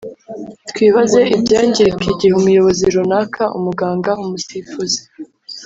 Twibaze ibyangirika igihe umuyobozi runaka, umuganga, umusifuzi